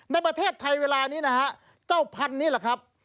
ในประเทศไทยเวลานี้นะครับเจ้าพันนี้เหรอครับ